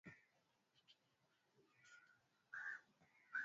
yake hayakuhifadhiwa habari hii inatokana na waandishi